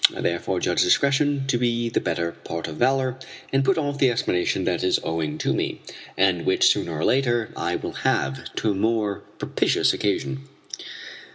I therefore judge discretion to be the better part of valor, and put off the explanation that is owing to me and which, sooner or later, I will have to a more propitious occasion.